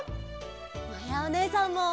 まやおねえさんも！